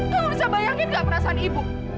kamu bisa bayangin nggak perasaan ibu